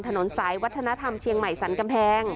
ถนนสายวัฒนธรรมเชียงใหม่สรรกำแพง